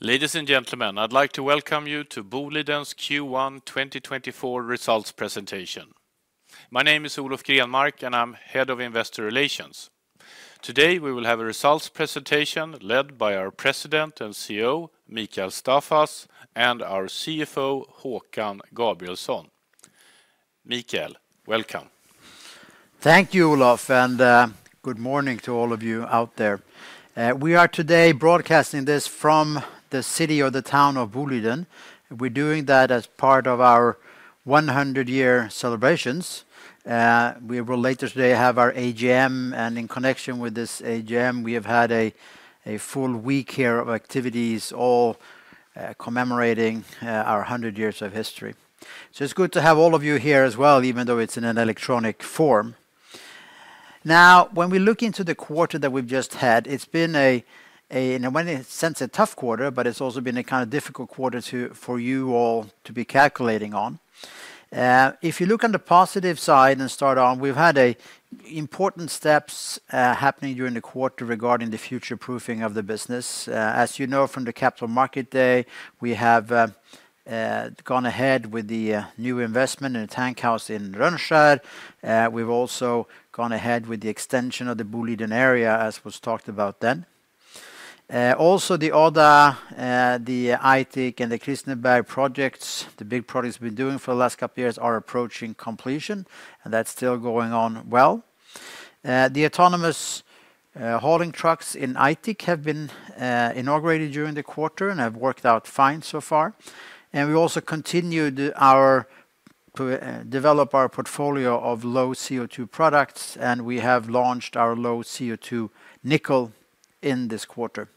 Ladies and gentlemen, I'd like to welcome you to Boliden's Q1 2024 results presentation. My name is Olof Grenmark, and I'm Head of Investor Relations. Today, we will have a results presentation led by our President and CEO, Mikael Staffas, and our CFO, Håkan Gabrielsson. Mikael, welcome. Thank you, Olof, and good morning to all of you out there. We are today broadcasting this from the city or the town of Boliden. We're doing that as part of our 100-year celebrations. We will later today have our AGM, and in connection with this AGM, we have had a full week here of activities, all commemorating our 100 years of history. So it's good to have all of you here as well, even though it's in an electronic form. Now, when we look into the quarter that we've just had, it's been, in one sense, a tough quarter, but it's also been a kind of difficult quarter for you all to be calculating on. If you look on the positive side and start on, we've had an important steps happening during the quarter regarding the future-proofing of the business. As you know from the Capital Market Day, we have gone ahead with the new investment in a tank house in Rönnskär. We've also gone ahead with the extension of the Boliden Area, as was talked about then. Also, the Odda, the Aitik and the Kristineberg projects, the big projects we've been doing for the last couple years, are approaching completion, and that's still going on well. The autonomous hauling trucks in Aitik have been inaugurated during the quarter and have worked out fine so far. And we also continued to develop our portfolio of low CO2 products, and we have launched our low CO2 nickel in this quarter.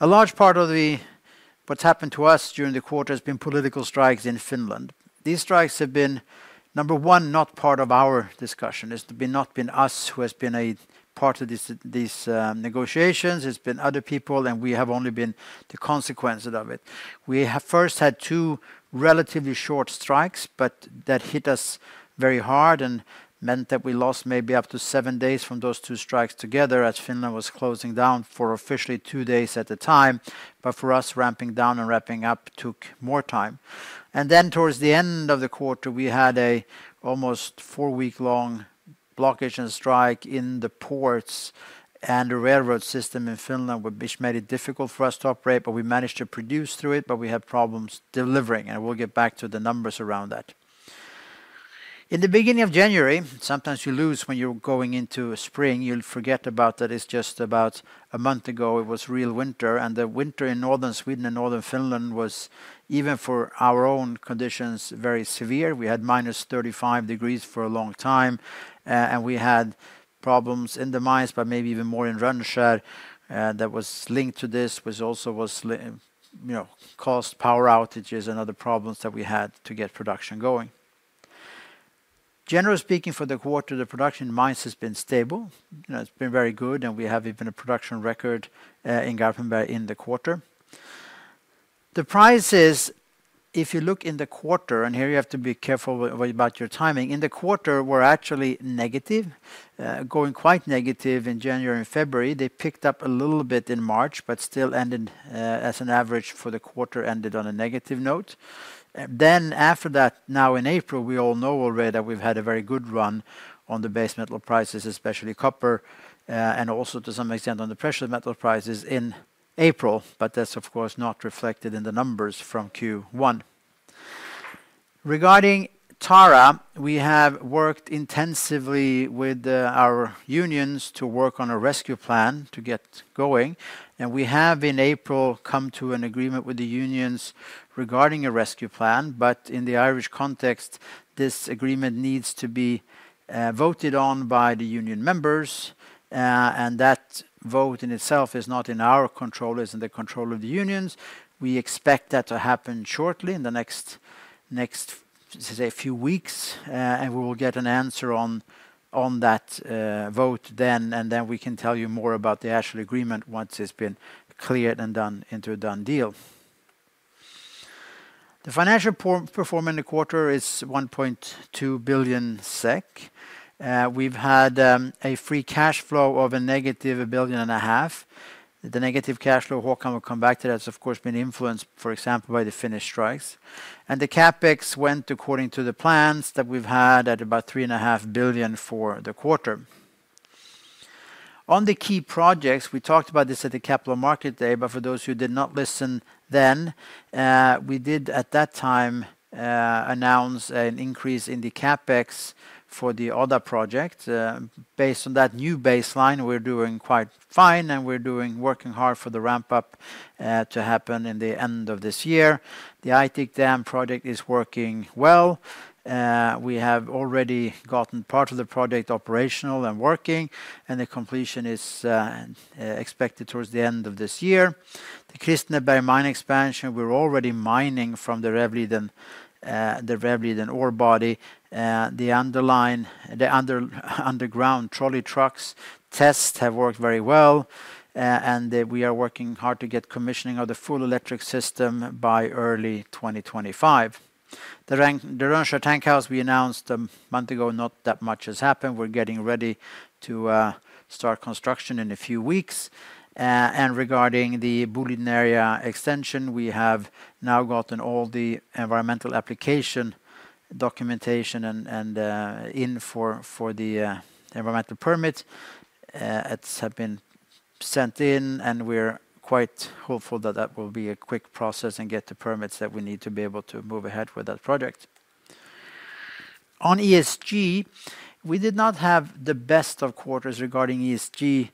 A large part of what's happened to us during the quarter has been political strikes in Finland. These strikes have been, number one, not part of our discussion. It's been not us who has been a part of these negotiations. It's been other people, and we have only been the consequences of it. We have first had two relatively short strikes, but that hit us very hard and meant that we lost maybe up to seven days from those two strikes together, as Finland was closing down for officially two days at a time. But for us, ramping down and ramping up took more time. And then, towards the end of the quarter, we had an almost 4-week-long blockage and strike in the ports and the railroad system in Finland, which made it difficult for us to operate, but we managed to produce through it, but we had problems delivering, and we'll get back to the numbers around that. In the beginning of January, sometimes you lose when you're going into a spring, you'll forget about that it's just about a month ago, it was real winter, and the winter in northern Sweden and northern Finland was, even for our own conditions, very severe. We had minus 35 degrees for a long time, and we had problems in the mines, but maybe even more in Rönnskär, that was linked to this, which also was you know, caused power outages and other problems that we had to get production going. Generally speaking, for the quarter, the production in mines has been stable. You know, it's been very good, and we have even a production record in Garpenberg in the quarter. The prices, if you look in the quarter, and here you have to be careful about your timing, in the quarter, were actually negative, going quite negative in January and February. They picked up a little bit in March, but still ended, as an average for the quarter, ended on a negative note. Then, after that, now in April, we all know already that we've had a very good run on the base metal prices, especially copper, and also to some extent on the precious metal prices in April, but that's, of course, not reflected in the numbers from Q1. Regarding Tara, we have worked intensively with our unions to work on a rescue plan to get going, and we have, in April, come to an agreement with the unions regarding a rescue plan. But in the Irish context, this agreement needs to be voted on by the union members, and that vote in itself is not in our control, it's in the control of the unions. We expect that to happen shortly, in the next few weeks, and we will get an answer on that vote then, and then we can tell you more about the actual agreement once it's been cleared and done into a done deal. The financial performance in the quarter is 1.2 billion SEK. We've had a free cash flow of negative 1.5 billion. The negative cash flow, Håkan, will come back to that, has, of course, been influenced, for example, by the Finnish strikes. The CapEx went according to the plans that we've had at about 3.5 billion for the quarter. On the key projects, we talked about this at the Capital Market Day, but for those who did not listen then, we did, at that time, announce an increase in the CapEx for the Odda project. Based on that new baseline, we're doing quite fine, and we're working hard for the ramp-up to happen in the end of this year. The Aitik dam project is working well. We have already gotten part of the project operational and working, and the completion is expected towards the end of this year. The Kristineberg mine expansion, we're already mining from the Rävliden, the Rävliden ore body. The underground trolley truck tests have worked very well, and we are working hard to get commissioning of the full electric system by early 2025. The Rönnskär tank house, we announced a month ago, not that much has happened. We're getting ready to start construction in a few weeks. And regarding the Boliden Area extension, we have now gotten all the environmental application documentation and in for the environmental permits. They have been sent in, and we're quite hopeful that that will be a quick process and get the permits that we need to be able to move ahead with that project. On ESG, we did not have the best of quarters regarding ESG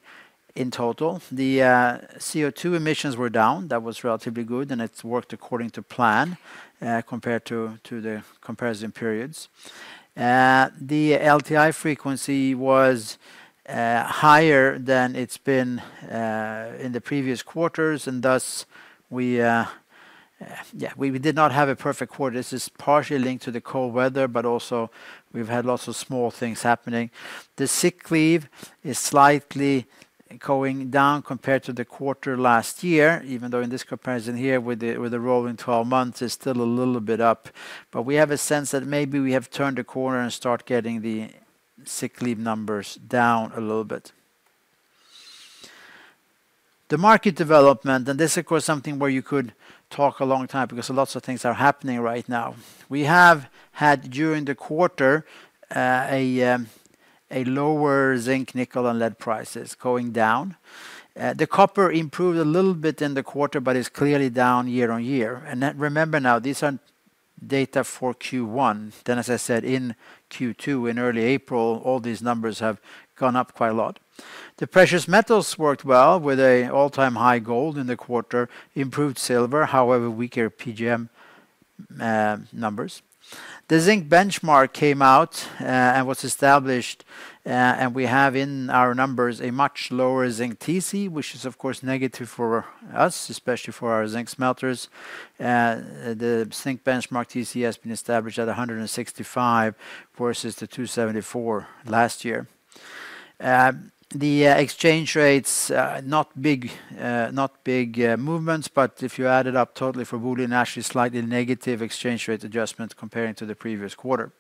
in total. The CO2 emissions were down. That was relatively good, and it's worked according to plan, compared to the comparison periods. The LTI frequency was higher than it's been in the previous quarters, and thus we, yeah, we did not have a perfect quarter. This is partially linked to the cold weather, but also we've had lots of small things happening. The sick leave is slightly going down compared to the quarter last year, even though in this comparison here with the rolling twelve months, it's still a little bit up. But we have a sense that maybe we have turned a corner and start getting the sick leave numbers down a little bit. The market development, and this, of course, something where you could talk a long time because lots of things are happening right now. We have had, during the quarter, a lower zinc, nickel, and lead prices going down. The copper improved a little bit in the quarter, but is clearly down year-on-year. Then, remember now, these are data for Q1. Then, as I said, in Q2, in early April, all these numbers have gone up quite a lot. The precious metals worked well with an all-time high gold in the quarter, improved silver, however, weaker PGM numbers. The zinc benchmark came out and was established, and we have in our numbers a much lower zinc TC, which is, of course, negative for us, especially for our zinc smelters. The zinc benchmark TC has been established at $165 versus the $274 last year. The exchange rates, not big movements, but if you add it up totally for Boliden, actually slightly negative exchange rate adjustment comparing to the previous quarter.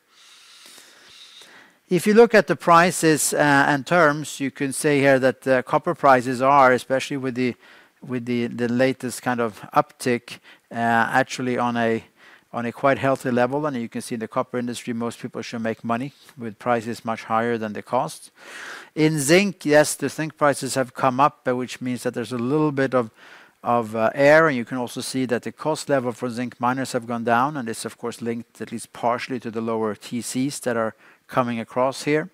If you look at the prices and terms, you can say here that the copper prices are, especially with the latest kind of uptick, actually on a quite healthy level. And you can see in the copper industry, most people should make money with prices much higher than the cost. In zinc, yes, the zinc prices have come up, but which means that there's a little bit of air. And you can also see that the cost level for zinc miners have gone down, and it's of course, linked at least partially to the lower TCs that are coming across here.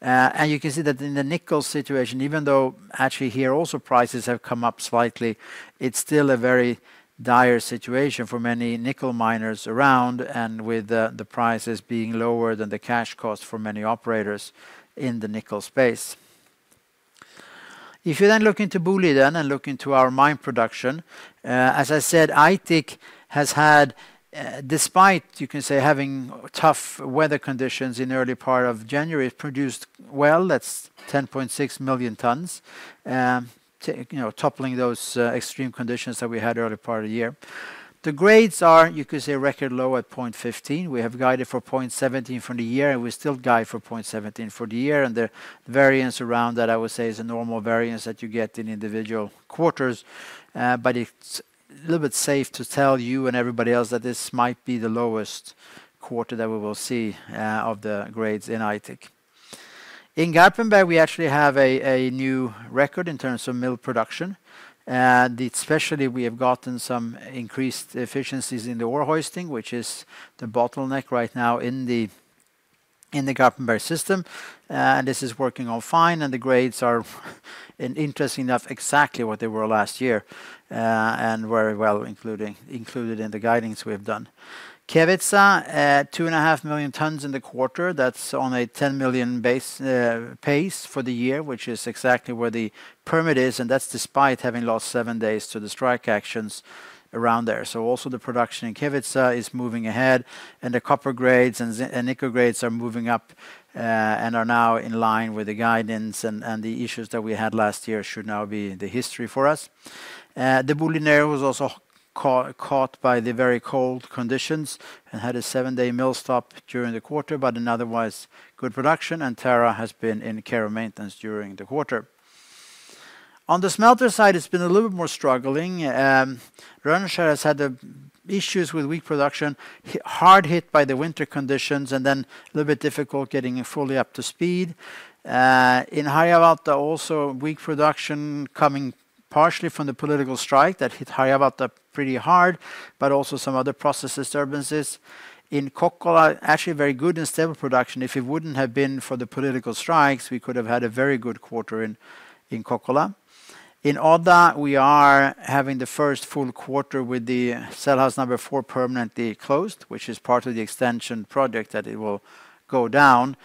And you can see that in the nickel situation, even though actually here also prices have come up slightly, it's still a very dire situation for many nickel miners around, and with the prices being lower than the cash cost for many operators in the nickel space. If you then look into Boliden and look into our mine production, as I said, Aitik has had, despite, you can say, having tough weather conditions in early part of January, it produced well. That's 10.6 million tonnes, you know, toppling those extreme conditions that we had early part of the year. The grades are, you could say, record low at 0.15. We have guided for 0.17 for the year, and we still guide for 0.17 for the year, and the variance around that, I would say, is a normal variance that you get in individual quarters. But it's a little bit safe to tell you and everybody else that this might be the lowest quarter that we will see of the grades in Aitik. In Garpenberg, we actually have a new record in terms of mill production, and especially, we have gotten some increased efficiencies in the ore hoisting, which is the bottleneck right now in the Garpenberg system. This is working all fine, and the grades are, and interesting enough, exactly what they were last year, and very well, included in the guidance we have done. Kevitsa, 2.5 million tonnes in the quarter, that's on a 10 million base, pace for the year, which is exactly where the permit is, and that's despite having lost 7 days to the strike actions around there. So also, the production in Kevitsa is moving ahead, and the copper grades and zinc and nickel grades are moving up, and are now in line with the guidance, and the issues that we had last year should now be the history for us. The Boliden Area was also caught by the very cold conditions and had a 7-day mill stop during the quarter, but an otherwise good production, and Tara has been in care and maintenance during the quarter. On the smelter side, it's been a little bit more struggling. Rönnskär has had the issues with weak production, hard hit by the winter conditions, and then a little bit difficult getting it fully up to speed. In Harjavalta, also weak production coming partially from the political strike that hit Harjavalta pretty hard, but also some other process disturbances. In Kokkola, actually very good and stable production. If it wouldn't have been for the political strikes, we could have had a very good quarter in Kokkola. In Odda, we are having the first full quarter with the cell house number 4 permanently closed, which is part of the extension project, that it will go down.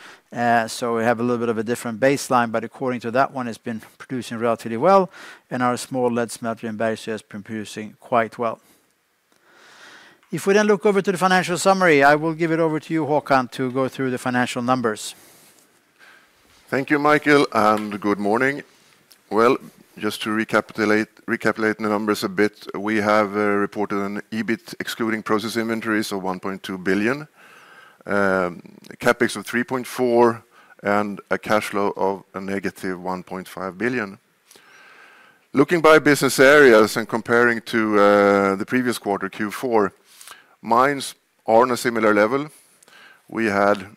So we have a little bit of a different baseline, but according to that one, it's been producing relatively well, and our small lead smelter in Bergsöe has been producing quite well. If we then look over to the financial summary, I will give it over to you, Håkan, to go through the financial numbers. Thank you, Mikael, and good morning. Well, just to recapitulate, recapitulate the numbers a bit, we have reported an EBIT excluding process inventories of 1.2 billion, CapEx of 3.4 billion, and a cash flow of -1.5 billion. Looking by business areas and comparing to the previous quarter, Q4, Mines are on a similar level. We had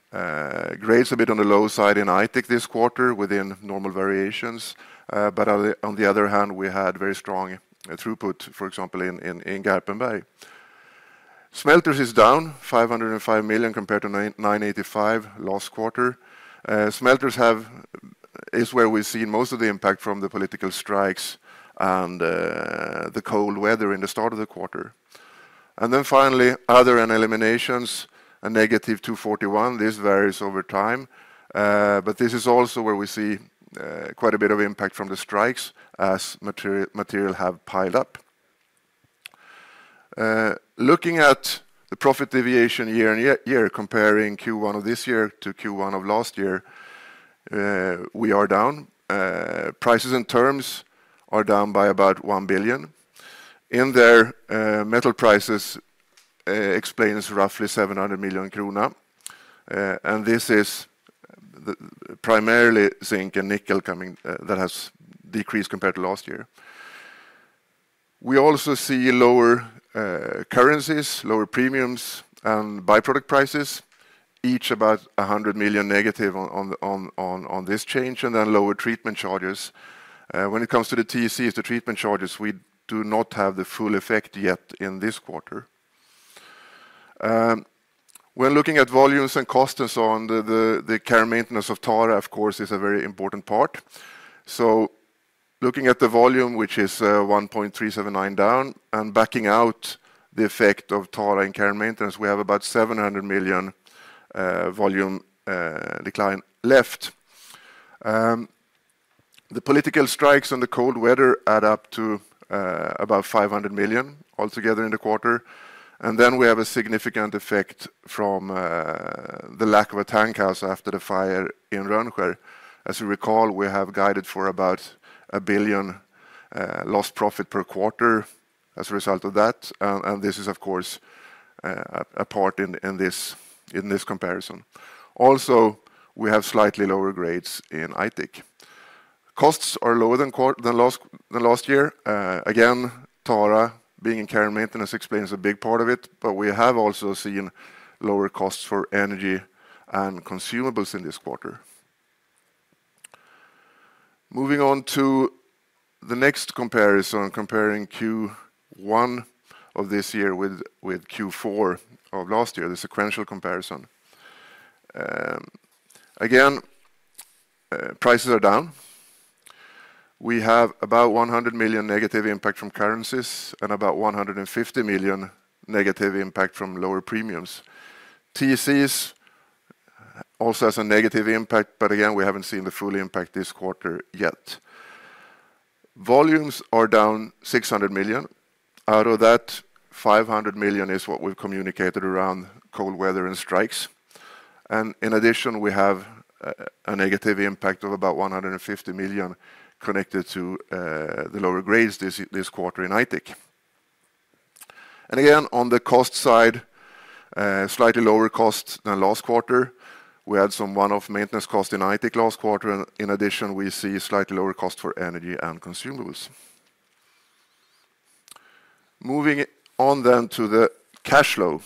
grades a bit on the low side in Aitik this quarter within normal variations. But on the other hand, we had very strong throughput, for example, in Garpenberg. Smelters are down 505 million compared to 998.5 million last quarter. Smelters is where we've seen most of the impact from the political strikes and the cold weather in the start of the quarter. And then finally, other, and eliminations, a negative 241 million. This varies over time, but this is also where we see quite a bit of impact from the strikes as material material have piled up. Looking at the profit deviation year-on-year, comparing Q1 of this year to Q1 of last year, we are down. Prices and terms are down by about 1 billion. In there, metal prices explain roughly 700 million kronor, and this is primarily zinc and nickel coming, that has decreased compared to last year. We also see lower currencies, lower premiums, and byproduct prices, each about 100 million negative on this change, and then lower treatment charges. When it comes to the TCs, the treatment charges, we do not have the full effect yet in this quarter. When looking at volumes and costs and so on, the care and maintenance of Tara, of course, is a very important part. So looking at the volume, which is 1.379 down, and backing out the effect of Tara and care and maintenance, we have about 700 million volume decline left. The political strikes and the cold weather add up to about 500 million altogether in the quarter. And then we have a significant effect from the lack of a tank house after the fire in Rönnskär. As you recall, we have guided for about 1 billion lost profit per quarter as a result of that, and this is, of course, a part in this comparison. Also, we have slightly lower grades in Aitik. Costs are lower than last year. Again, Tara being in care and maintenance explains a big part of it, but we have also seen lower costs for energy and consumables in this quarter. Moving on to the next comparison, comparing Q1 of this year with Q4 of last year, the sequential comparison. Again, prices are down. We have about 100 million negative impact from currencies and about 150 million negative impact from lower premiums. TCs also has a negative impact, but again, we haven't seen the full impact this quarter yet. Volumes are down 600 million. Out of that, 500 million is what we've communicated around cold weather and strikes. In addition, we have a negative impact of about 150 million connected to the lower grades this quarter in Aitik. Again, on the cost side, slightly lower costs than last quarter. We had some one-off maintenance cost in Aitik last quarter. In addition, we see slightly lower cost for energy and consumables. Moving on then to the cash flow.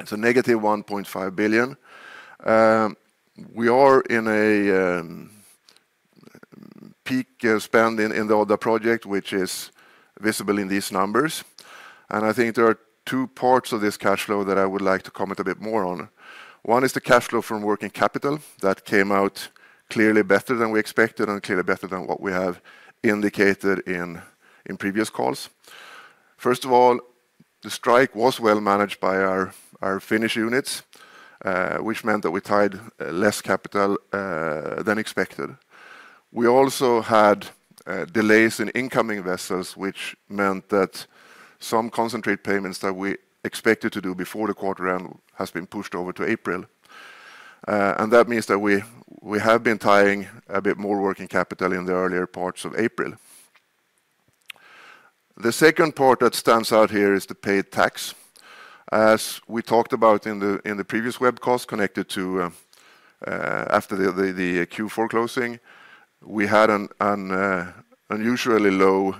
It's a negative 1.5 billion. We are in a peak spend in the Odda project, which is visible in these numbers, and I think there are two parts of this cash flow that I would like to comment a bit more on. One is the cash flow from working capital. That came out clearly better than we expected and clearly better than what we have indicated in previous calls. First of all, the strike was well managed by our Finnish units, which meant that we tied less capital than expected. We also had delays in incoming vessels, which meant that some concentrate payments that we expected to do before the quarter end has been pushed over to April. And that means that we have been tying a bit more working capital in the earlier parts of April. The second part that stands out here is the paid tax. As we talked about in the previous web calls, connected to after the Q4 closing, we had an unusually low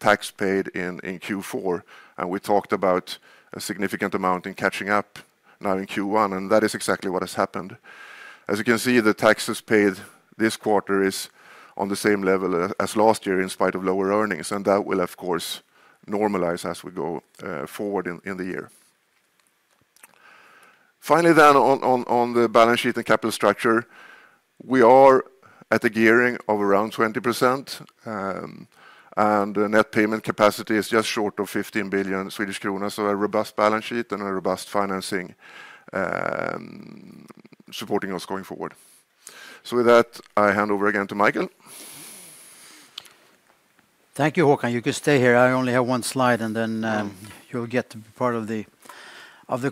tax paid in Q4, and we talked about a significant amount in catching up now in Q1, and that is exactly what has happened. As you can see, the taxes paid this quarter is on the same level as last year, in spite of lower earnings, and that will, of course, normalize as we go forward in the year. Finally, on the balance sheet and capital structure, we are at a gearing of around 20%, and the net payment capacity is just short of 15 billion Swedish kronor, so a robust balance sheet and a robust financing supporting us going forward. So with that, I hand over again to Mikael. Thank you, Håkan. You can stay here. I only have one slide, and then, you'll get to be part of the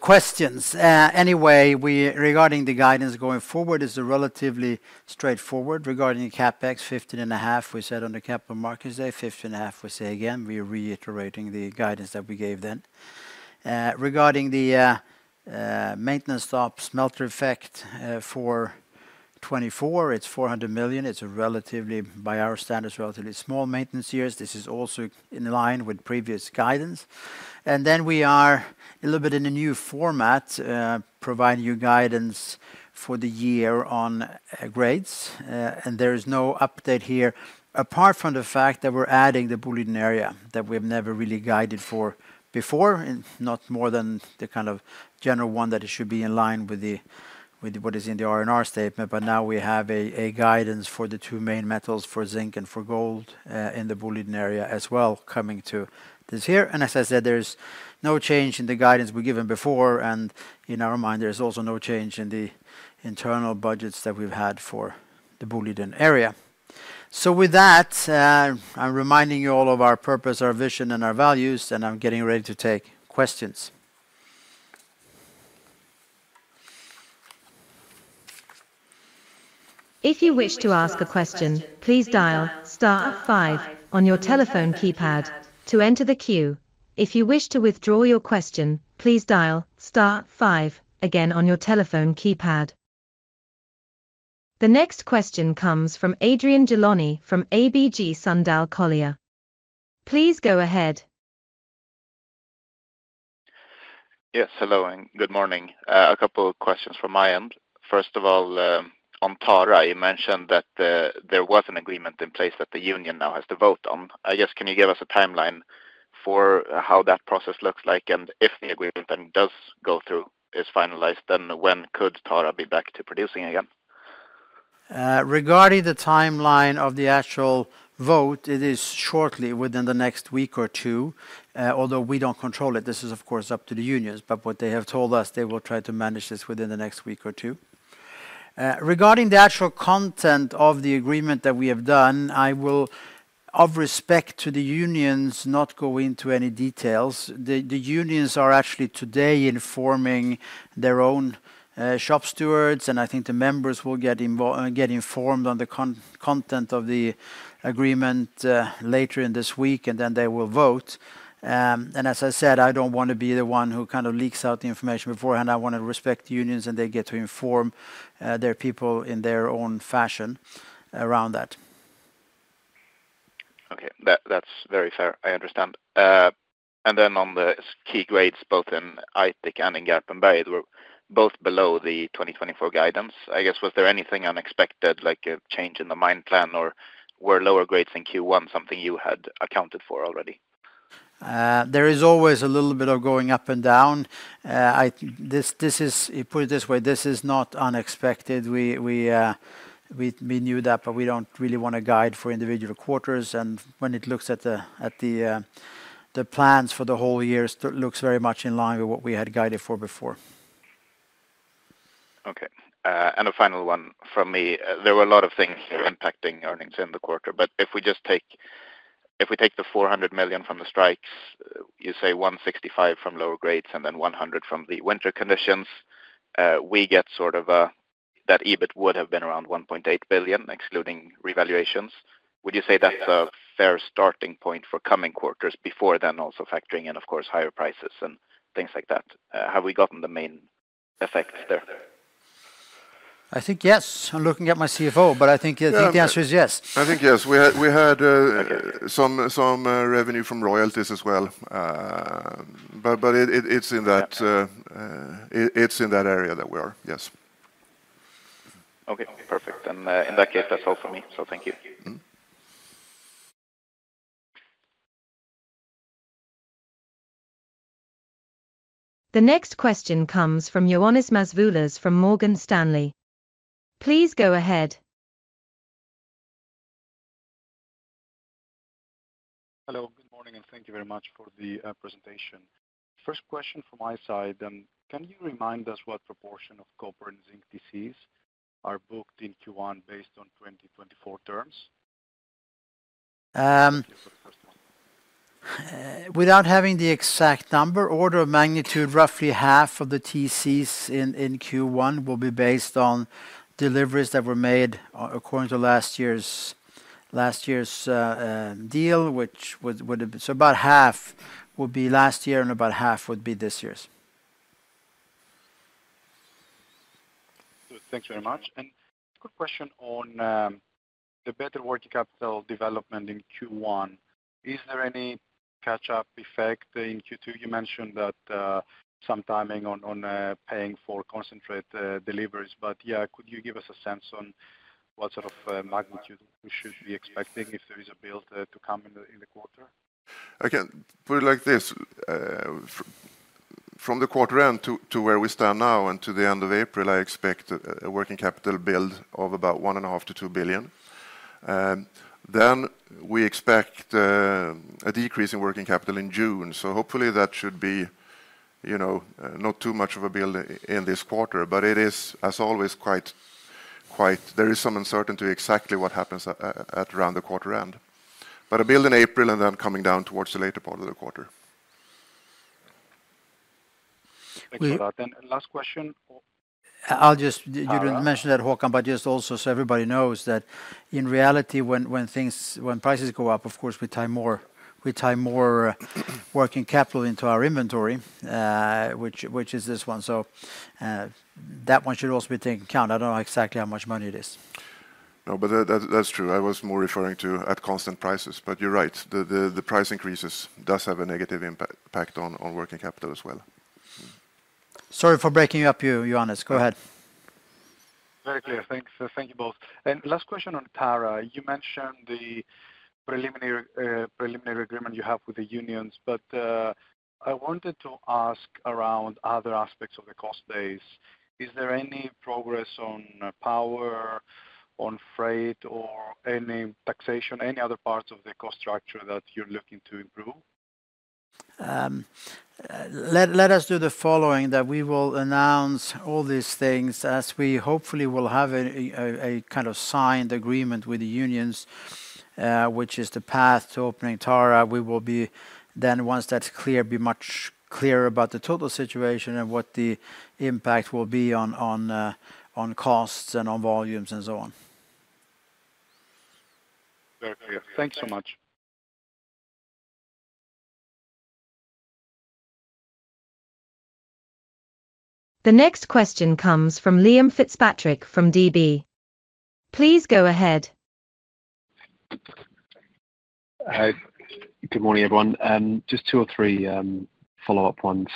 questions. Anyway, we, regarding the guidance going forward, it's relatively straightforward. Regarding the CapEx, 15.5 billion, we said on the Capital Markets Day, 15.5 billion, we say again. We're reiterating the guidance that we gave then. Regarding the maintenance stop smelter effect, for 2024, it's 400 million. It's a relatively, by our standards, relatively small maintenance years. This is also in line with previous guidance. And then we are a little bit in a new format, providing you guidance for the year on grades. And there is no update here, apart from the fact that we're adding the Boliden area that we've never really guided for before, and not more than the kind of general one that it should be in line with what is in the R&R statement. But now we have a guidance for the two main metals, for zinc and for gold, in the Boliden area as well, coming to this here. And as I said, there's no change in the guidance we've given before, and in our mind, there's also no change in the internal budgets that we've had for the Boliden area. So with that, I'm reminding you all of our purpose, our vision, and our values, and I'm getting ready to take questions. If you wish to ask a question, please dial star five on your telephone keypad to enter the queue. If you wish to withdraw your question, please dial star five again on your telephone keypad. The next question comes from Adrian Gilani, from ABG Sundal Collier. Please go ahead. Yes, hello and good morning. A couple of questions from my end. First of all, on Tara, you mentioned that there was an agreement in place that the union now has to vote on. I guess, can you give us a timeline for how that process looks like? And if the agreement then does go through, is finalized, then when could Tara be back to producing again? Regarding the timeline of the actual vote, it is shortly within the next week or two. Although we don't control it, this is, of course, up to the unions, but what they have told us, they will try to manage this within the next week or two. Regarding the actual content of the agreement that we have done, I will, of respect to the unions, not go into any details. The unions are actually today informing their own shop stewards, and I think the members will get informed on the content of the agreement later in this week, and then they will vote. And as I said, I don't want to be the one who kind of leaks out the information beforehand. I want to respect the unions, and they get to inform, their people in their own fashion around that. Okay. That, that's very fair. I understand. And then on the key grades, both in Aitik and in Garpenberg, were both below the 2024 guidance. I guess, was there anything unexpected, like a change in the mine plan, or were lower grades in Q1 something you had accounted for already? There is always a little bit of going up and down. Put it this way, this is not unexpected. We knew that, but we don't really want to guide for individual quarters. And when it looks at the plans for the whole year, it looks very much in line with what we had guided for before. Okay. And a final one from me. There were a lot of things impacting earnings in the quarter, but if we just take, if we take the 400 million from the strikes, you say 165 million from lower grades, and then 100 million from the winter conditions, we get sort of, that EBIT would have been around 1.8 billion, excluding revaluations. Would you say that's a fair starting point for coming quarters before then also factoring in, of course, higher prices and things like that? Have we gotten the main effects there? I think, yes. I'm looking at my CFO, but I think the answer is yes. I think, yes. We had some revenue from royalties as well. But it's in that area that we are. Yes. Okay, perfect. And, in that case, that's all for me. So thank you. The next question comes from Ioannis Masvoulas from Morgan Stanley. Please go ahead. Hello, good morning, and thank you very much for the presentation. First question from my side, can you remind us what proportion of copper and zinc TCs are booked in Q1 based on 2024 terms? For the first one. Without having the exact number, order of magnitude, roughly half of the TCs in Q1 will be based on deliveries that were made according to last year's deal, which would have... So about half would be last year, and about half would be this year's. Good. Thank you very much. And quick question on the better working capital development in Q1. Is there any catch-up effect in Q2? You mentioned that some timing on paying for concentrate deliveries, but yeah, could you give us a sense on what sort of magnitude we should be expecting if there is a bill to come in the quarter? I can put it like this, from the quarter end to where we stand now and to the end of April, I expect a working capital build of about 1.5 billion-2 billion. Then we expect a decrease in working capital in June. So hopefully, that should be, you know, not too much of a build in this quarter, but it is, as always, quite, there is some uncertainty exactly what happens at around the quarter end. But a build in April and then coming down towards the later part of the quarter. Thanks a lot. And last question- I'll just- You mentioned that, Håkan, but just also so everybody knows that in reality, when prices go up, of course, we tie more working capital into our inventory, which is this one. So, that one should also be taken into account. I don't know exactly how much money it is. No, but that's true. I was more referring to at constant prices, but you're right. The price increases does have a negative impact on working capital as well. Sorry for breaking up you, Ioannis. Go ahead. Very clear. Thanks. Thank you, both. And last question on Tara. You mentioned the preliminary agreement you have with the unions, but I wanted to ask around other aspects of the cost base. Is there any progress on power, on freight, or any taxation, any other parts of the cost structure that you're looking to improve? Let us do the following, that we will announce all these things as we hopefully will have a kind of signed agreement with the unions, which is the path to opening Tara. We will be, then once that's clear, be much clearer about the total situation and what the impact will be on costs and on volumes, and so on. Very clear. Thanks so much. The next question comes from Liam Fitzpatrick from DB. Please go ahead. Hi. Good morning, everyone. Just two or three follow-up ones.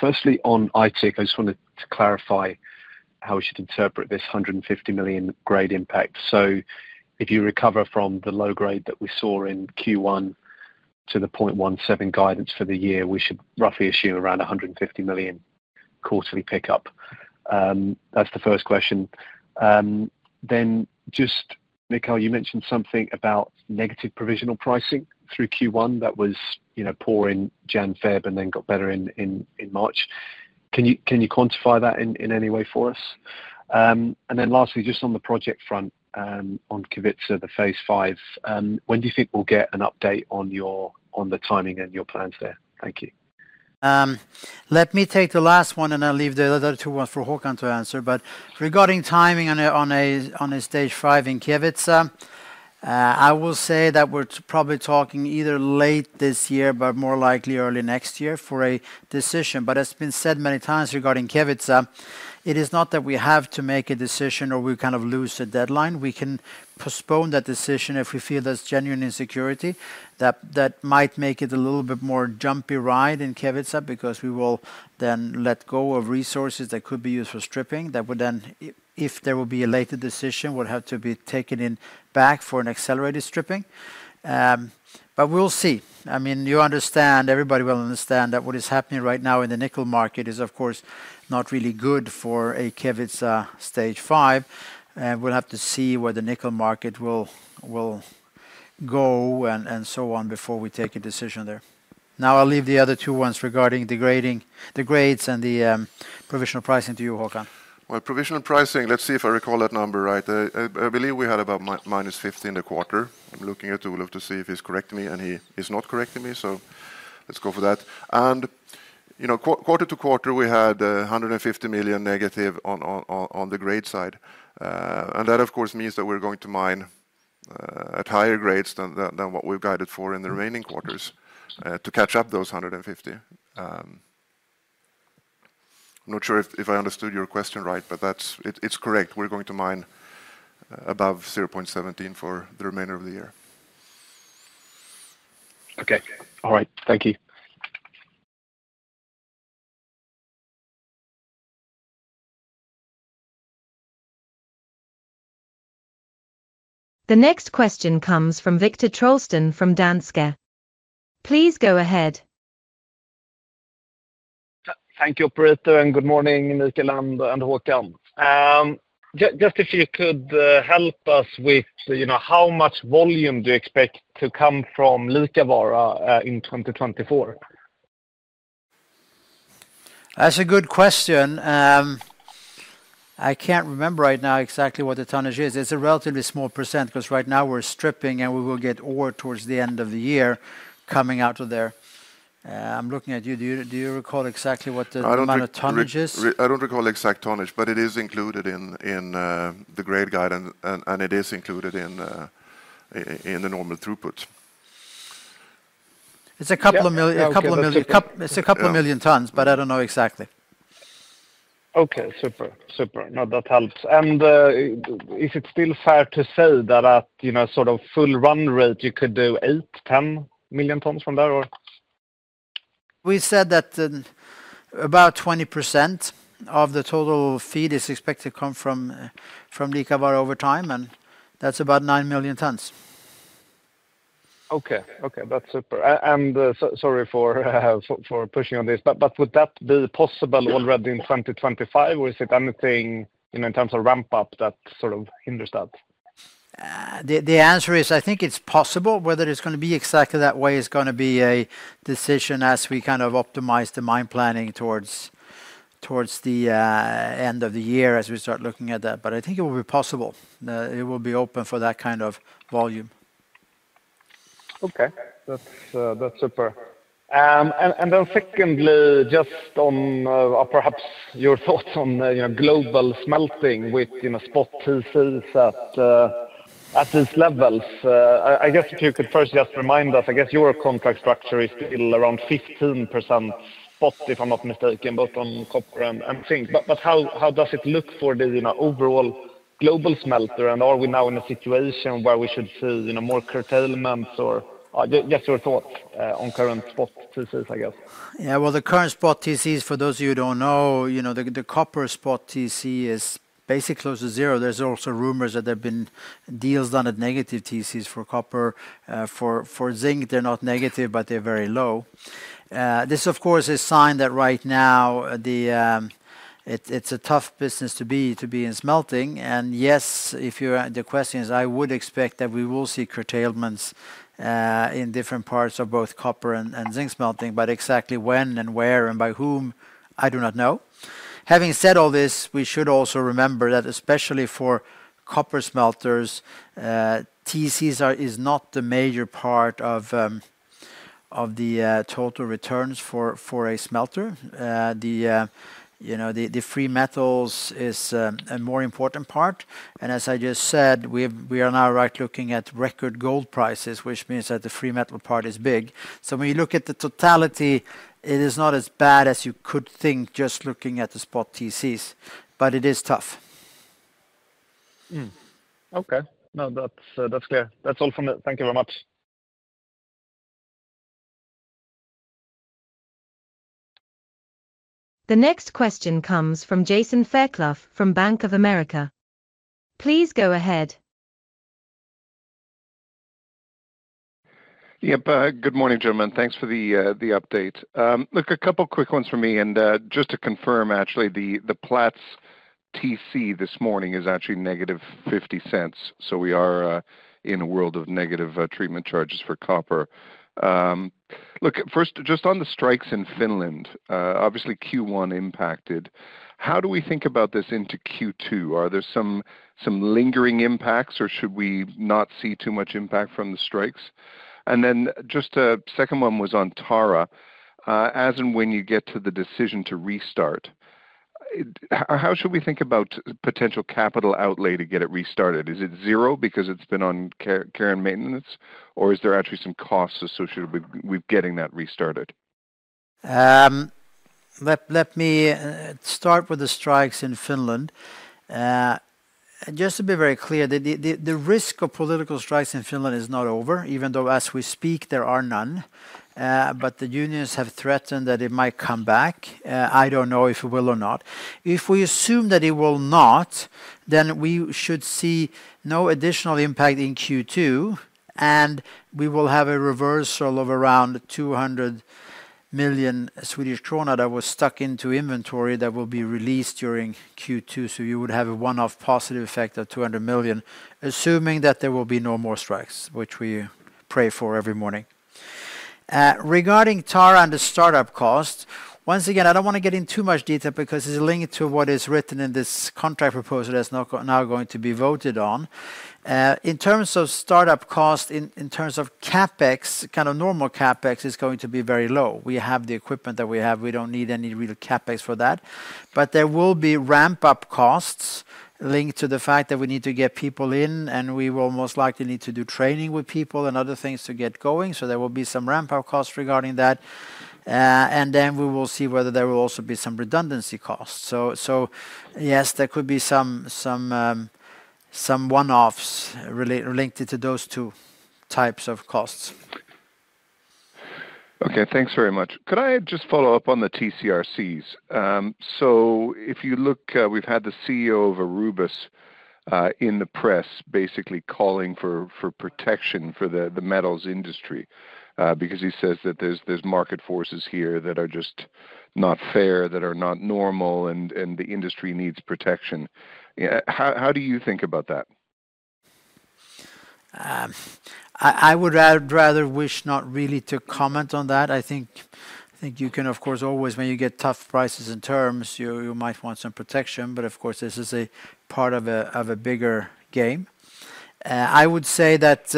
Firstly, on Aitik, I just wanted to clarify how we should interpret this 150 million grade impact. So if you recover from the low grade that we saw in Q1 to the 0.17 guidance for the year, we should roughly assume around a 150 million quarterly pickup. That's the first question. Then just, Mikael, you mentioned something about negative provisional pricing through Q1 that was, you know, poor in January, February, and then got better in March. Can you quantify that in any way for us? And then lastly, just on the project front, on Kevitsa, the phase V, when do you think we'll get an update on the timing and your plans there? Thank you. Let me take the last one, and I'll leave the other two ones for Håkan to answer. But regarding timing on a Stage V in Kevitsa, I will say that we're probably talking either late this year, but more likely early next year for a decision. But as has been said many times regarding Kevitsa, it is not that we have to make a decision or we kind of lose a deadline. We can postpone that decision if we feel there's genuine insecurity. That might make it a little bit more jumpy ride in Kevitsa, because we will then let go of resources that could be used for stripping, that would then, if there will be a later decision, would have to be taken in back for an accelerated stripping. But we'll see. I mean, you understand, everybody will understand that what is happening right now in the nickel market is, of course, not really good for a Kevitsa Stage V, and we'll have to see where the nickel market will go, and so on, before we take a decision there. Now, I'll leave the other two ones regarding the grading, the grades and the provisional pricing to you, Håkan. Well, provisional pricing, let's see if I recall that number right. I, I believe we had about minus 50 in the quarter. I'm looking at Olof to see if he's correcting me, and he is not correcting me, so let's go for that. You know, quarter to quarter, we had $ -50. That, of course, means that we're going to mine at higher grades than what we've guided for in the remaining quarters to catch up those 150. I'm not sure if I understood your question right, but that's... It's correct. We're going to mine above 0.17 for the remainder of the year. Okay. All right. Thank you. The next question comes from Viktor Trollsten from Danske. Please go ahead. Thank you, operator, and good morning, Mikael and Håkan. Just if you could help us with, you know, how much volume do you expect to come from Liikavaara in 2024? That's a good question. I can't remember right now exactly what the tonnage is. It's a relatively small percent, 'cause right now we're stripping, and we will get ore towards the end of the year coming out of there. I'm looking at you. Do you, do you recall exactly what the- I don't think- amount of tonnage is? I don't recall exact tonnage, but it is included in the grade guide, and it is included in the normal throughput. It's 2 million- Yeah A couple of million SEK Yeah It's a couple of million tons, but I don't know exactly. Okay, super, super. Now, that helps. And, is it still fair to say that at, you know, sort of full run rate, you could do 8 million-10 million tons from there, or? We said that, about 20% of the total feed is expected to come from Liikavaara over time, and that's about 9 million tons. Okay, okay. That's super. And sorry for pushing on this, but would that be possible already in 2025, or is it anything, you know, in terms of ramp up, that sort of hinders that? The answer is, I think it's possible. Whether it's gonna be exactly that way is gonna be a decision as we kind of optimize the mine planning towards the end of the year as we start looking at that. But I think it will be possible. It will be open for that kind of volume. Okay. That's, that's super. And then secondly, just on, perhaps your thoughts on, you know, global smelting with, you know, spot TCs at, at these levels. I guess if you could first just remind us, I guess your contract structure is still around 15% spot, if I'm not mistaken, both on copper and, and zinc. But how does it look for the, you know, overall global smelter? And are we now in a situation where we should see, you know, more curtailment or? Just your thoughts, on current spot TCs, I guess. Yeah, well, the current spot TCs, for those of you who don't know, you know, the copper spot TC is basically close to zero. There's also rumors that there have been deals done at negative TCs for copper. For zinc, they're not negative, but they're very low. This, of course, is a sign that right now, it is a tough business to be in smelting. And yes, the question is, I would expect that we will see curtailments in different parts of both copper and zinc smelting, but exactly when and where and by whom, I do not know. Having said all this, we should also remember that especially for copper smelters, TCs are not the major part of the total returns for a smelter. You know, the free metals is a more important part, and as I just said, we are now right looking at record gold prices, which means that the free metal part is big. So when you look at the totality, it is not as bad as you could think, just looking at the spot TCs, but it is tough. Okay. No, that's, that's clear. That's all from me. Thank you very much. The next question comes from Jason Fairclough from Bank of America. Please go ahead. Yep. Good morning, gentlemen. Thanks for the update. Look, a couple quick ones from me, and just to confirm, actually, the Platts TC this morning is actually -$0.50, so we are in a world of negative treatment charges for copper. Look, first, just on the strikes in Finland, obviously Q1 impacted. How do we think about this into Q2? Are there some lingering impacts, or should we not see too much impact from the strikes? And then just a second one was on Tara. As and when you get to the decision to restart, it. How should we think about potential capital outlay to get it restarted? Is it zero because it's been on care and maintenance, or is there actually some costs associated with getting that restarted? Let me start with the strikes in Finland. Just to be very clear, the risk of political strikes in Finland is not over, even though as we speak, there are none. But the unions have threatened that it might come back. I don't know if it will or not. If we assume that it will not, then we should see no additional impact in Q2, and we will have a reversal of around 200 million Swedish krona that was stuck into inventory that will be released during Q2. So you would have a one-off positive effect of 200 million, assuming that there will be no more strikes, which we pray for every morning. Regarding Tara and the startup cost, once again, I don't wanna get in too much detail because it's linked to what is written in this contract proposal that's now going to be voted on. In terms of startup cost, in terms of CapEx, kind of normal CapEx is going to be very low. We have the equipment that we have. We don't need any real CapEx for that. But there will be ramp-up costs linked to the fact that we need to get people in, and we will most likely need to do training with people and other things to get going. So there will be some ramp-up costs regarding that. And then we will see whether there will also be some redundancy costs. So yes, there could be some one-offs linked to those two types of costs. Okay. Thanks very much. Could I just follow up on the TCRCs? So if you look, we've had the CEO of Aurubis in the press, basically calling for protection for the metals industry because he says that there's market forces here that are just not fair, that are not normal, and the industry needs protection. How do you think about that? I would rather wish not really to comment on that. I think you can, of course, always, when you get tough prices and terms, you might want some protection, but of course, this is a part of a bigger game. I would say that,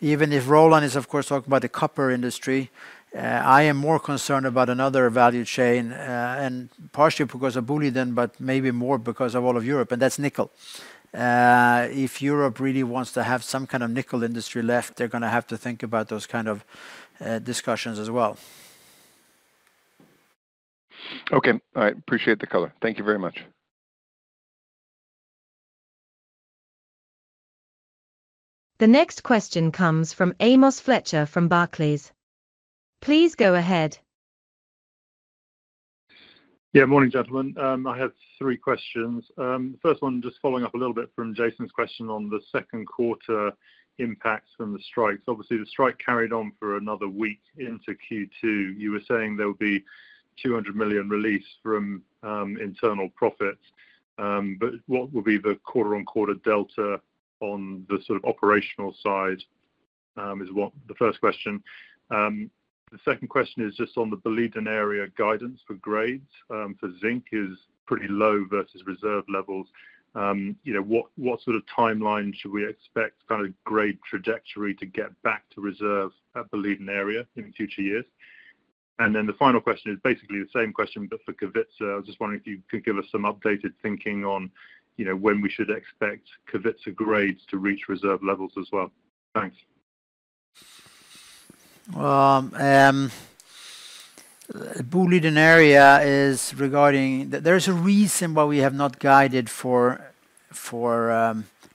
even if Roland is, of course, talking about the copper industry, I am more concerned about another value chain, and partially because of Boliden, but maybe more because of all of Europe, and that's nickel. If Europe really wants to have some kind of nickel industry left, they're gonna have to think about those kind of discussions as well. Okay. All right. Appreciate the color. Thank you very much. The next question comes from Amos Fletcher from Barclays. Please go ahead. Yeah, morning, gentlemen. I have three questions. First one, just following up a little bit from Jason's question on the second quarter impacts from the strikes. Obviously, the strike carried on for another week into Q2. You were saying there would be 200 million release from internal profits, but what would be the quarter-on-quarter delta on the sort of operational side? Is what the first question. The second question is just on the Boliden Area guidance for grades for zinc is pretty low versus reserve levels. You know, what sort of timeline should we expect, kind of grade trajectory to get back to reserve at Boliden Area in future years? And then the final question is basically the same question, but for Kevitsa. I was just wondering if you could give us some updated thinking on, you know, when we should expect Kevitsa grades to reach reserve levels as well. Thanks. Boliden Area is regarding... There is a reason why we have not guided for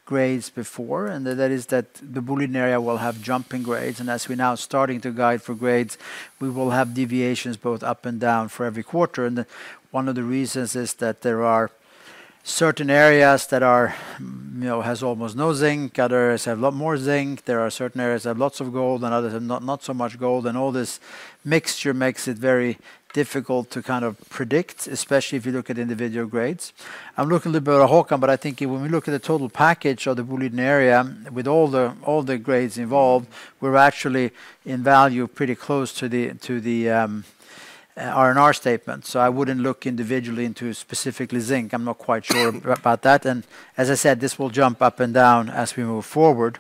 grades before, and that is that the Boliden Area will have jumping grades. And as we're now starting to guide for grades, we will have deviations both up and down for every quarter. And one of the reasons is that there are certain areas that are, you know, has almost no zinc, other areas have a lot more zinc. There are certain areas that have lots of gold, and others have not so much gold. And all this mixture makes it very difficult to kind of predict, especially if you look at individual grades. I'm looking a little bit at Håkan, but I think when we look at the total package of the Boliden Area, with all the grades involved, we're actually in value pretty close to the R&R statement. So I wouldn't look individually into specifically zinc. I'm not quite sure about that. And as I said, this will jump up and down as we move forward.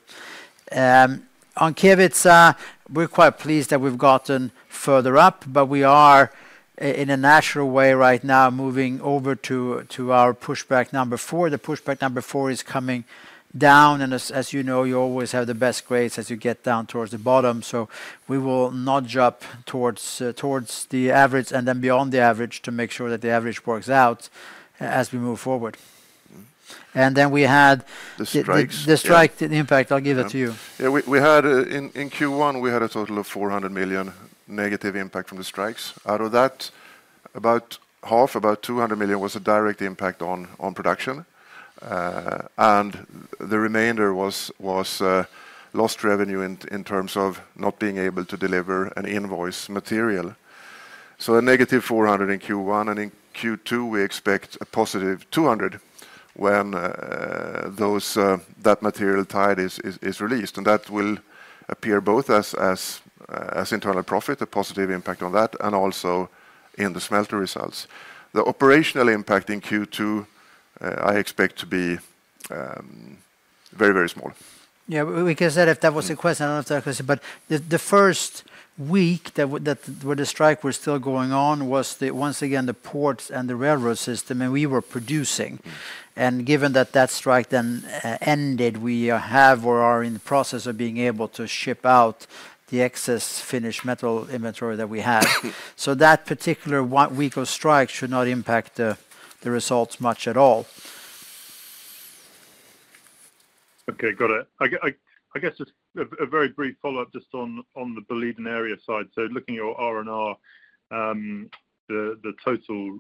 On Kevitsa, we're quite pleased that we've gotten further up, but we are in a natural way right now moving over to our pushback number 4. The pushback number 4 is coming down, and as you know, you always have the best grades as you get down towards the bottom. So we will nudge up towards, towards the average and then beyond the average, to make sure that the average works out as we move forward. And then we had- The strikes. The strike, the impact, I'll give it to you. Yeah. We had in Q1 a total of 400 million negative impact from the strikes. Out of that, about half, about 200 million, was a direct impact on production. And the remainder was lost revenue in terms of not being able to deliver an invoice material. So a negative 400 million in Q1, and in Q2, we expect a positive 200 million when that material tied is released. And that will appear both as internal profit, a positive impact on that, and also in the smelter results. The operational impact in Q2, I expect to be very, very small. Yeah, we can say if that was a question. I don't know if that was, but the first week that where the strike was still going on was once again the ports and the railroad system, and we were producing. Given that that strike then ended, we have or are in the process of being able to ship out the excess finished metal inventory that we had. So that particular one week of strike should not impact the results much at all. Okay, got it. I get, I guess just a very brief follow-up just on the Boliden Area side. So looking at your R&R, the total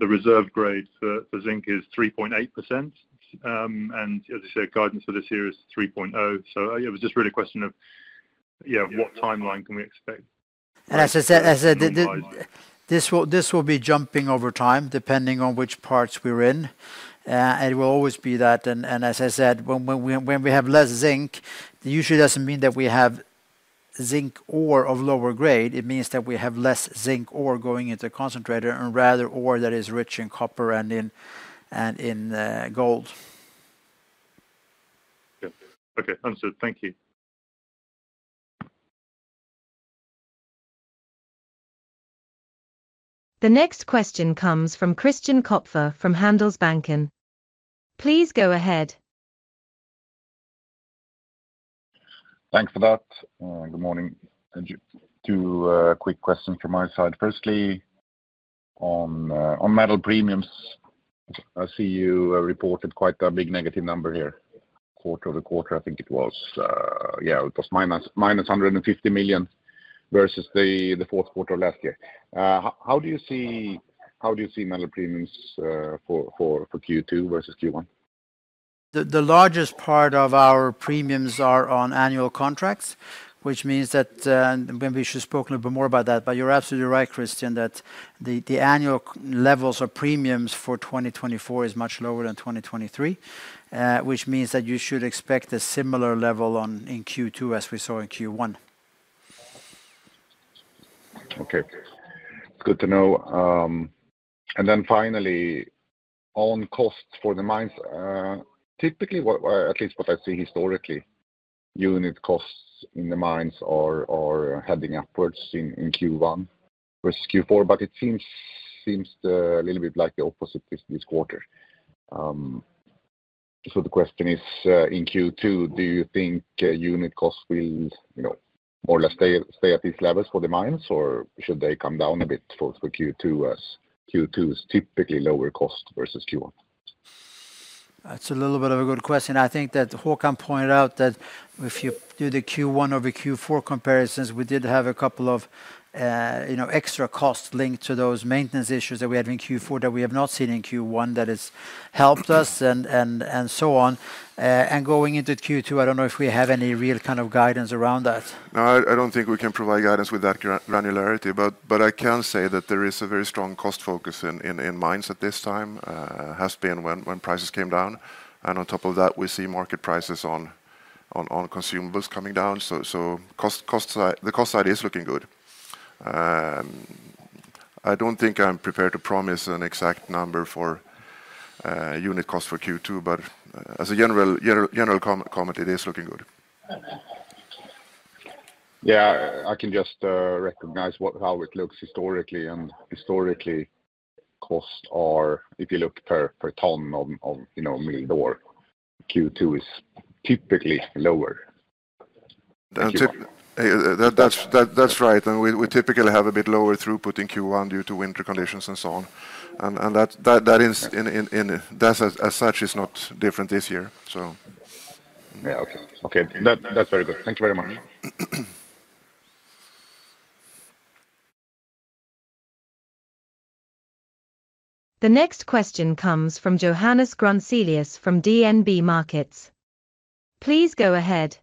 reserve grade for zinc is 3.8%. And as I said, guidance for this year is 3.0. So it was just really a question of, yeah, what timeline can we expect? As I said, this will be jumping over time, depending on which parts we're in. It will always be that. And as I said, when we have less zinc, it usually doesn't mean that we have zinc ore of lower grade. It means that we have less zinc ore going into concentrator and rather ore that is rich in copper and in gold. Yeah. Okay, understood. Thank you. The next question comes from Christian Kopfer from Handelsbanken. Please go ahead. Thanks for that, good morning. Two quick questions from my side. Firstly, on metal premiums, I see you reported quite a big negative number here, quarter-over-quarter, I think it was. Yeah, it was minus 150 million versus the fourth quarter of last year. How do you see, how do you see metal premiums for Q2 versus Q1? The largest part of our premiums are on annual contracts, which means that. Maybe we should spoke a little bit more about that, but you're absolutely right, Christian, that the annual levels or premiums for 2024 is much lower than 2023, which means that you should expect a similar level in Q2 as we saw in Q1. Okay, good to know. Then finally, on costs for the mines, typically, at least what I see historically, unit costs in the mines are heading upwards in Q1 versus Q4, but it seems a little bit like the opposite this quarter. The question is, in Q2, do you think unit costs will, you know, more or less stay at these levels for the mines, or should they come down a bit for Q2, as Q2 is typically lower cost versus Q1? That's a little bit of a good question. I think that Håkan pointed out that if you do the Q1 over Q4 comparisons, we did have a couple of, you know, extra costs linked to those maintenance issues that we had in Q4, that we have not seen in Q1, that has helped us and so on. And going into Q2, I don't know if we have any real kind of guidance around that. No, I don't think we can provide guidance with that granularity, but I can say that there is a very strong cost focus in mines at this time. It has been when prices came down, and on top of that, we see market prices on consumables coming down. The cost side is looking good. I don't think I'm prepared to promise an exact number for unit cost for Q2, but as a general comment, it is looking good. Yeah, I can just recognize what, how it looks historically, and historically, costs are, if you look per ton of, you know, milled ore, Q2 is typically lower. And that's right, and we typically have a bit lower throughput in Q1 due to winter conditions and so on, and that is, as such, not different this year, so. Yeah. Okay. Okay. That, that's very good. Thank you very much. The next question comes from Johannes Grunselius from DNB Markets. Please go ahead.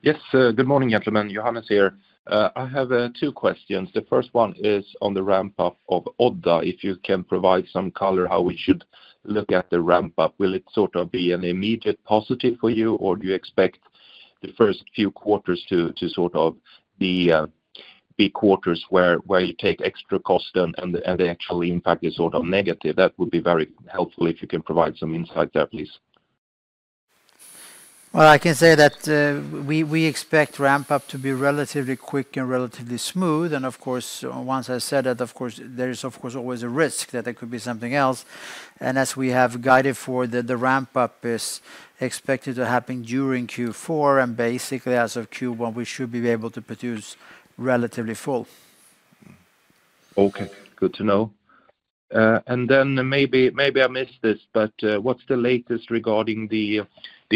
Yes, good morning, gentlemen, Johannes here. I have two questions. The first one is on the ramp-up of Odda, if you can provide some color, how we should look at the ramp-up? Will it sort of be an immediate positive for you, or do you expect the first few quarters to sort of be quarters where you take extra cost and the actual impact is sort of negative? That would be very helpful if you can provide some insight there, please. Well, I can say that we expect ramp-up to be relatively quick and relatively smooth. And of course, once I said that, of course, there is, of course, always a risk that there could be something else. And as we have guided for the ramp-up is expected to happen during Q4, and basically as of Q1, we should be able to produce relatively full. Okay, good to know. And then maybe, maybe I missed this, but what's the latest regarding the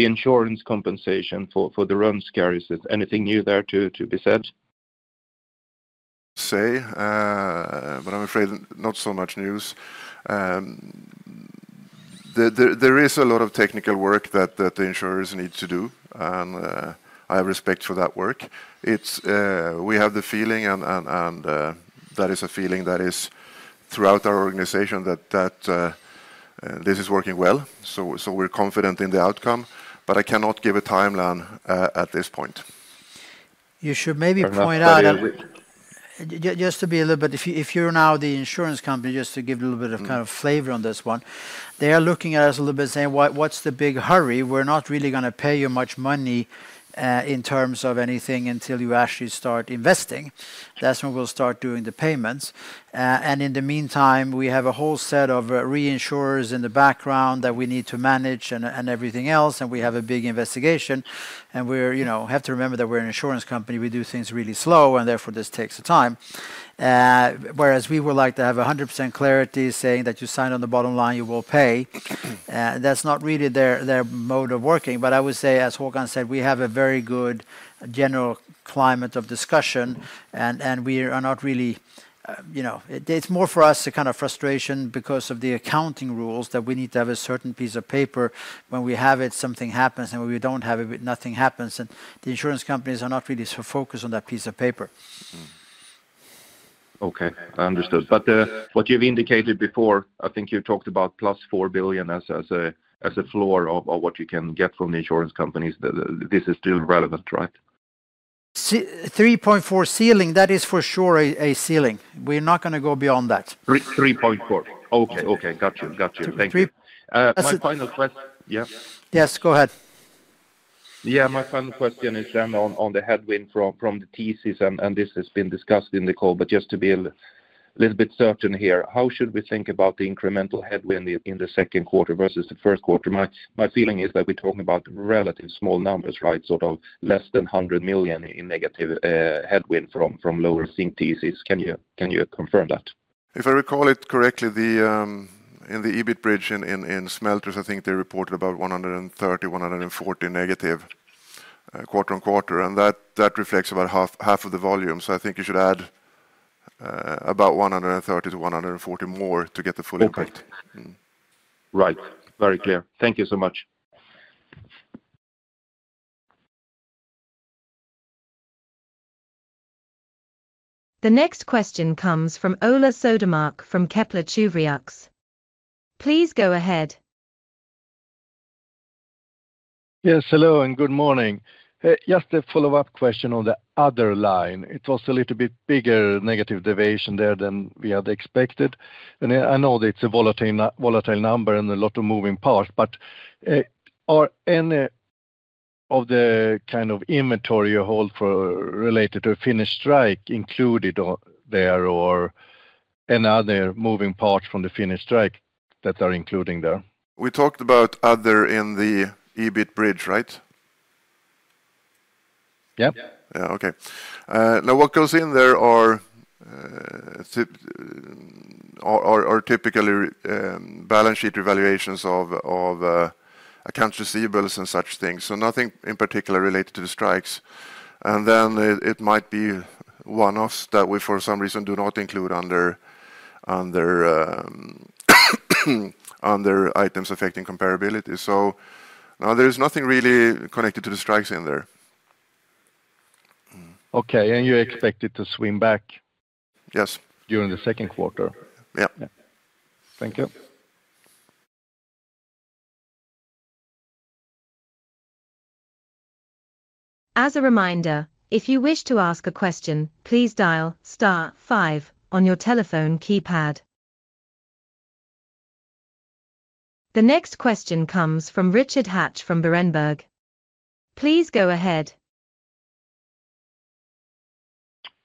insurance compensation for the Rönnskär, is it? Anything new there to be said? But I'm afraid not so much news. There is a lot of technical work that the insurers need to do, and I have respect for that work. We have the feeling, and that is a feeling that is throughout our organization that this is working well. So we're confident in the outcome, but I cannot give a timeline at this point. You should maybe point out- I agree Just to be a little bit, if you, if you're now the insurance company, just to give you a little bit of kind of flavor on this one, they are looking at us a little bit saying, "What, what's the big hurry? We're not really gonna pay you much money in terms of anything until you actually start investing. That's when we'll start doing the payments. And in the meantime, we have a whole set of reinsurers in the background that we need to manage and everything else, and we have a big investigation, and we're, you know, have to remember that we're an insurance company. We do things really slow, and therefore, this takes the time." Whereas we would like to have 100% clarity, saying that, "You sign on the bottom line, you will pay." That's not really their mode of working. But I would say, as Håkan said, we have a very good general climate of discussion, and we are not really, you know. It's more for us a kind of frustration because of the accounting rules, that we need to have a certain piece of paper. When we have it, something happens, and when we don't have it, nothing happens, and the insurance companies are not really so focused on that piece of paper. Okay, I understood. But what you've indicated before, I think you talked about plus 4 billion as a floor of what you can get from the insurance companies, this is still relevant, right? 3.4 ceiling, that is for sure a, a ceiling. We're not gonna go beyond that. 3, 3.4. Okay, okay, got you. Got you. Three- Thank you. That's it. Yeah? Yes, go ahead. Yeah, my final question is then on the headwind from the thesis, and this has been discussed in the call, but just to be a little bit certain here, how should we think about the incremental headwind in the second quarter versus the first quarter? My feeling is that we're talking about relatively small numbers, right? Sort of less than 100 million in negative headwind from lower TC thesis. Can you confirm that? If I recall it correctly, the in the EBIT bridge in smelters, I think they reported about 130-140 negative quarter-over-quarter, and that reflects about half of the volume. So I think you should add about 130-140 more to get the full impact. Okay. Right. Very clear. Thank you so much. The next question comes from Ola Södermark from Kepler Cheuvreux. Please go ahead. Yes, hello and good morning. Just a follow-up question on the other line. It was a little bit bigger negative deviation there than we had expected, and I know that it's a volatile number and a lot of moving parts, but are any of the kind of inventory you hold for related to Finnish strike included on there or any other moving parts from the Finnish strike that are including there? We talked about other in the EBIT bridge, right? Yeah. Yeah, okay. Now, what goes in there are typically balance sheet revaluations of account receivables and such things, so nothing in particular related to the strikes. Then it might be one-offs that we, for some reason, do not include under items affecting comparability. So no, there is nothing really connected to the strikes in there. Mm. Okay, and you expect it to swing back- Yes... during the second quarter? Yeah. Thank you. As a reminder, if you wish to ask a question, please dial star five on your telephone keypad. The next question comes from Richard Hatch from Berenberg. Please go ahead.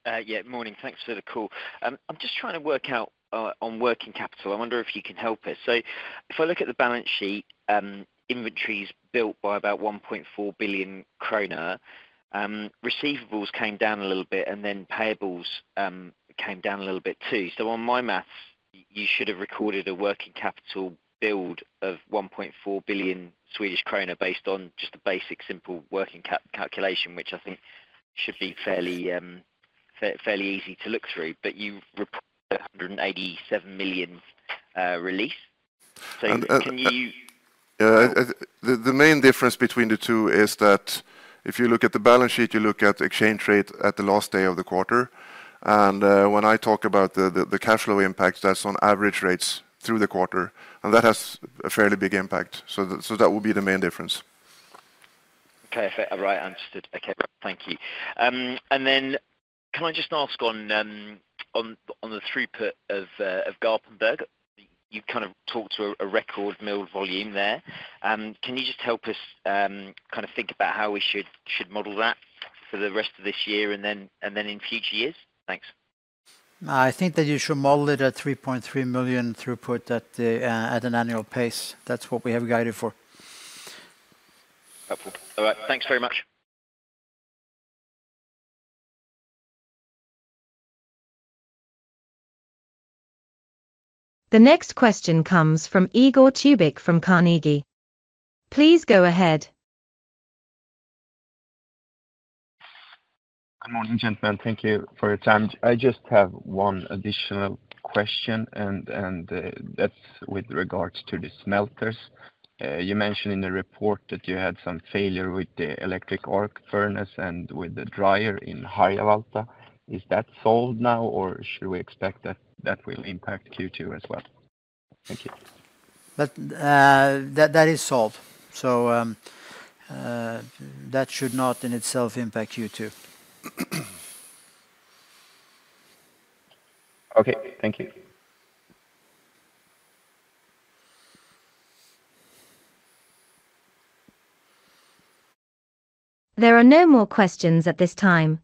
Yeah, morning. Thanks for the call. I'm just trying to work out on working capital. I wonder if you can help us. So if I look at the balance sheet, inventories built by about 1.4 billion krona, receivables came down a little bit, and then payables came down a little bit too. So on my math, you should have recorded a working capital build of 1.4 billion Swedish krona, based on just the basic simple working cap calculation, which I think should be fairly easy to look through. But you've reported a 187 million release. So can you- The main difference between the two is that if you look at the balance sheet, you look at exchange rate at the last day of the quarter, and when I talk about the cash flow impact, that's on average rates through the quarter, and that has a fairly big impact. So that would be the main difference. Okay. Right, understood. Okay, thank you. And then can I just ask on the throughput of Garpenberg, you've kind of talked to a record mill volume there. Can you just help us kind of think about how we should model that for the rest of this year and then in future years? Thanks. I think that you should model it at 3.3 million throughput at an annual pace. That's what we have guided for. Helpful. All right, thanks very much. The next question comes from Igor Tubic from Carnegie. Please go ahead. Good morning, gentlemen. Thank you for your time. I just have one additional question, and that's with regards to the smelters. You mentioned in the report that you had some failure with the electric arc furnace and with the dryer in Harjavalta. Is that solved now, or should we expect that that will impact Q2 as well? Thank you. That is solved, so that should not in itself impact Q2. Okay. Thank you. There are no more questions at this time,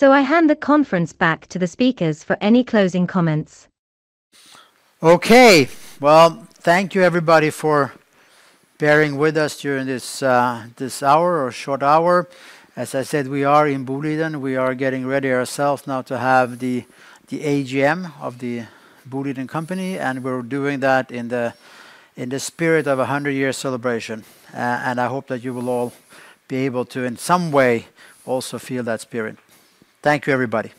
so I hand the conference back to the speakers for any closing comments. Okay. Well, thank you, everybody, for bearing with us during this, this hour or short hour. As I said, we are in Boliden, we are getting ready ourselves now to have the, the AGM of the Boliden company, and we're doing that in the, in the spirit of a hundred-year celebration. And I hope that you will all be able to, in some way, also feel that spirit. Thank you, everybody.